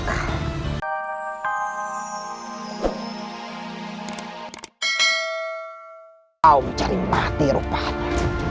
aum cari mati rupanya